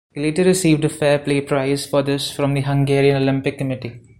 He later received a Fair Play prize for this from the Hungarian Olympic Committee.